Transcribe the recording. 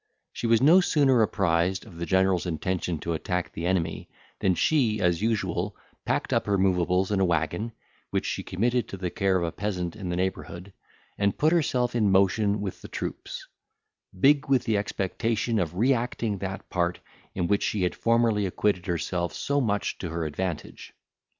She was no sooner apprised of the general's intention to attack the enemy, than she, as usual, packed up her moveables in a waggon, which she committed to the care of a peasant in the neighbourhood, and put herself in motion with the troops; big with the expectation of re acting that part in which she had formerly acquitted herself so much to her advantage.